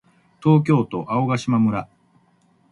東京都青ヶ島村